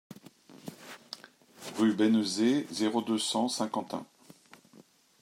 Rue Bénezet, zéro deux, cent Saint-Quentin